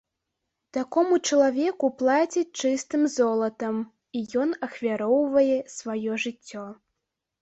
Такому чалавеку плацяць чыстым золатам, і ён ахвяроўвае сваё жыццё.